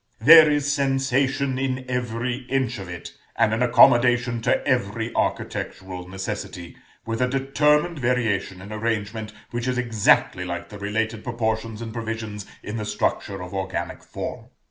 There is sensation in every inch of it, and an accommodation to every architectural necessity, with a determined variation in arrangement, which is exactly like the related proportions and provisions in the structure of organic form.